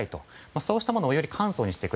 そうしたものをより簡素にしてくれ。